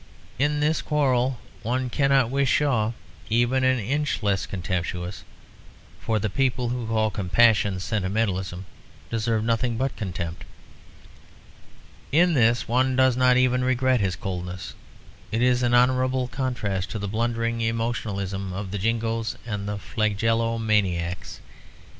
In this quarrel one cannot wish Shaw even an inch less contemptuous, for the people who call compassion "sentimentalism" deserve nothing but contempt. In this one does not even regret his coldness; it is an honourable contrast to the blundering emotionalism of the jingoes and flagellomaniacs.